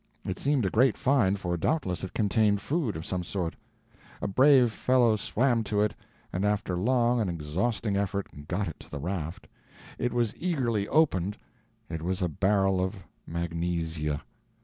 It seemed a great find, for doubtless it contained food of some sort. A brave fellow swam to it, and after long and exhausting effort got it to the raft. It was eagerly opened. It was a barrel of magnesia!